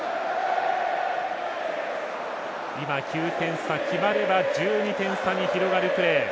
今、９点差、決まれば１２点差に広がるプレー。